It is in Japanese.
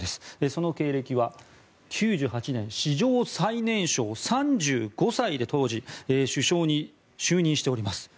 その経歴は９８年史上最年少３５歳で当時首相に就任しております。